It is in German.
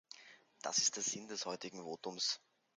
Das ist der Sinn des heutigen Votums.